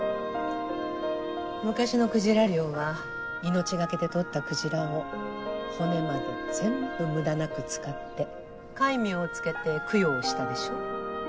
昔のクジラ漁は命懸けでとったクジラを骨まで全部無駄なく使って戒名を付けて供養したでしょ